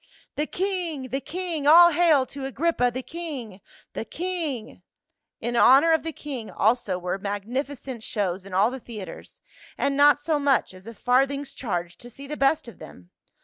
" The king ! The king ! All hail to Agrippa, the king — the king !" In honor of the king also were magnificent shows in all the theaters, and not so much as a farthing's charge to see the best of them.